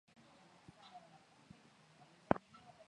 Na hata yule anayempenda, naye ana wake anayemwita mpenzi